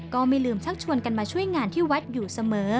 ก็ไม่ลืมชักชวนกันมาช่วยงานที่วัดอยู่เสมอ